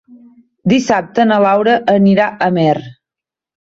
Dissabte na Laura anirà a Amer.